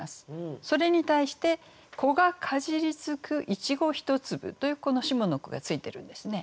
それに対して「子がかじりつく苺ひとつぶ」というこの下の句がついてるんですね。